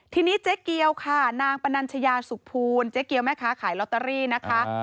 ทีนี้เจ๊เกียวค่ะนางปนัญชยาสุขภูลเจ๊เกียวแม่ค้าขายลอตเตอรี่นะคะ